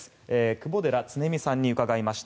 窪寺恒己さんに伺いました。